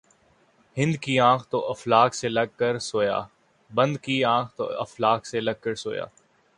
بند کی آنکھ ، تو افلاک سے لگ کر سویا